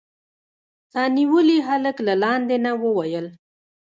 سا نيولي هلک له لاندې نه وويل.